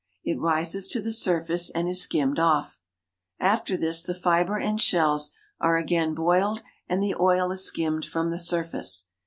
It rises to the surface and is skimmed off. After this the fiber and shells are again boiled and the oil is skimmed from the surface.